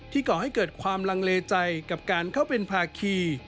ก่อให้เกิดความลังเลใจกับการเข้าเป็นภาคี